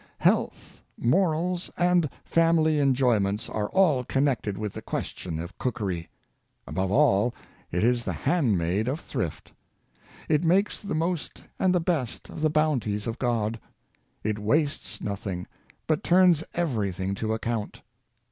Health, morals and family enjoy ments are all connected with the question of cookery. Above all, it is the handmaid of thrift. It makes the most and the best of the bounties of God. It wastes nothing, but turns everything to account.